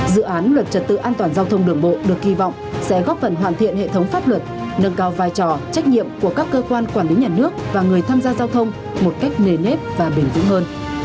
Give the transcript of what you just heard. dự án luật trật tự an toàn giao thông đường bộ được kỳ vọng sẽ góp phần hoàn thiện hệ thống pháp luật nâng cao vai trò trách nhiệm của các cơ quan quản lý nhà nước và người tham gia giao thông một cách nề nếp và bền vững hơn